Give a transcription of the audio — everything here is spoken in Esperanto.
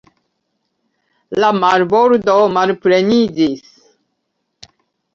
La marbordo malpleniĝis.